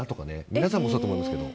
皆さんもそうだと思いますけど。